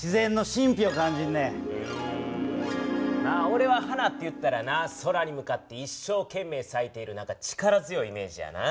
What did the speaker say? おれは花っていったらな空に向かって一生けん命さいている力強いイメージやな。